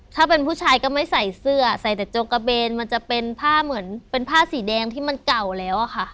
ถ้าเป็นผู้ชายก็ไม่ใส่เสื้อใส่แต่โจกระเบนมันจะเป็นผ้าเหมือนเป็นผ้าสีแดงที่มันเก่าแล้วอะค่ะ